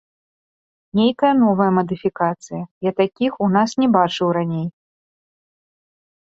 Нейкая новая мадыфікацыя, я такіх у нас не бачыў раней.